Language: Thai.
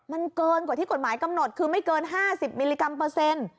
มันเกินกว่าที่กฎหมายกำหนดคือไม่เกิน๕๐มิลลิกรัมเปอร์เซ็นต์